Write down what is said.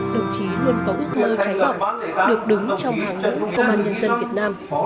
đồng chí luôn có ước mơ trái bỏng được đứng trong hàng đội công an nhân dân việt nam